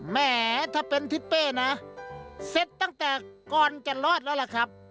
แหมถ้าเป็นทิศเป้นะเสร็จตั้งแต่ก่อนจะรอดแล้วล่ะครับ